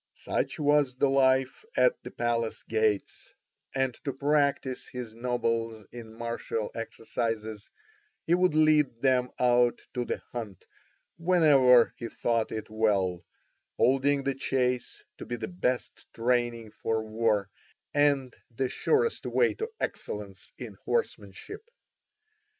Such was the life at the palace gates, and to practise his nobles in martial exercises he would lead them out to the hunt whenever he thought it well, holding the chase to be the best training for war and the surest way to excellence in horsemanship.